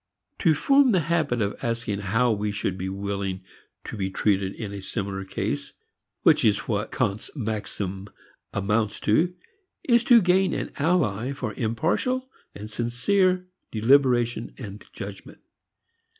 To form the habit of asking how we should be willing to be treated in a similar case which is what Kant's maxim amounts to is to gain an ally for impartial and sincere deliberation and judgment.